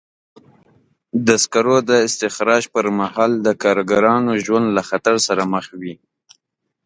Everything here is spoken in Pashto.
د سکرو د استخراج پر مهال د کارګرانو ژوند له خطر سره مخ وي.